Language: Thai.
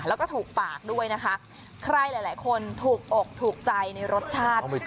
แล้วก็ถูกปากด้วยนะคะใครหลายคนถูกอกถูกใจในรสชาติ